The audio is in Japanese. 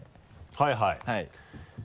はいはい。